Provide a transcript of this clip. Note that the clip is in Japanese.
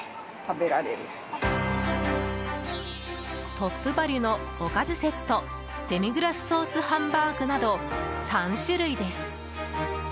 トップバリュのおかずセットデミグラスソースハンバーグなど３種類です。